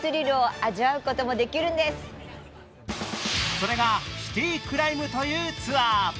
それがシティクライムというツアー。